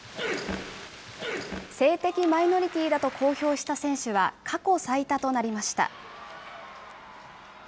性的マイノリティーだと公表した選手は過去最多となりました。